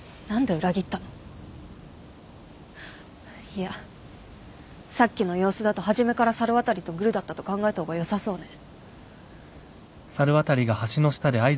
いやさっきの様子だと初めから猿渡とグルだったと考えた方がよさそうね。